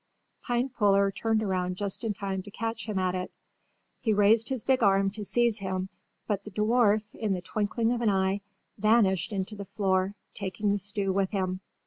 Pinepuller turned around just in time to catch him at it. He raised his big arm to seize him, but the dwarf, in the twinkling of an eye, vanished into the floor, taking the stew with him.